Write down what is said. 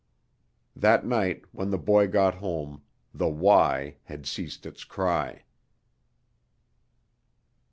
That night when the boy got home the why had ceased its cry.